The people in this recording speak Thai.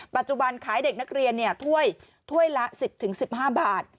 ปัจจุบันขายเด็กนักเรียนเนี่ยถ้วยถ้วยละสิบถึงสิบห้าบาท